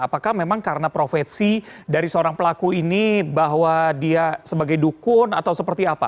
apakah memang karena profesi dari seorang pelaku ini bahwa dia sebagai dukun atau seperti apa